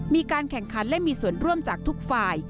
มีการแข่งขันและมีส่วนร่วมจากทุกฝ่าย